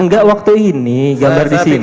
enggak waktu ini gambar disini